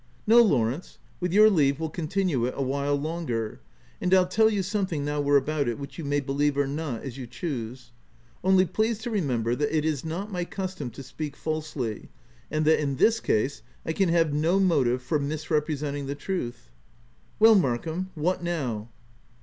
t4 No, Lawrence, with your leave we'll con tinue it it a while longer ; and I'll tell you some thing, now we're about it, which you may believe or not as you choose— only please to remember that it is not my custom to speak falsely, and that in this case, I can have no motive for mis representing the truth — f " Well, Markham ! what now